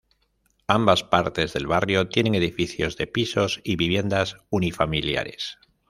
Ambas partes del barrio tienen edificios de pisos y viviendas unifamiliares.